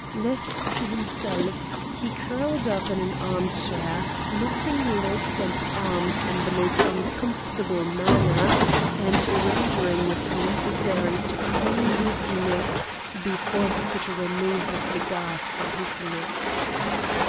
Left to himself, he curled up in an arm chair, knotting legs and arms in the most uncomfortable manner, and rendering it necessary to crane his neck before he could remove a cigar from his lips.